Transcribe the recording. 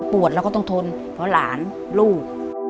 ปวดแล้วก็ต้องทนเพราะว่าหลานลูก